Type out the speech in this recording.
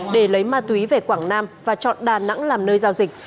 để lấy ma túy về quảng nam và chọn đà nẵng làm nơi giao dịch